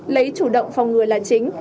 lấy chủ động phòng ngừa là chính